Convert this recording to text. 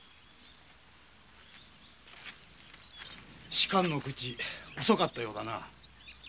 仕官の口遅かったようだな？